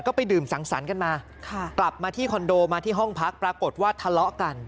ก็ไปดื่มสังสรรค์กันมากลับมาที่คอนโดมาที่ห้องพักปรากฏว่าทะเลาะกัน